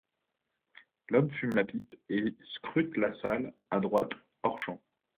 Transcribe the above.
L'homme fume la pipe et scrute la salle, à droite, hors-champ.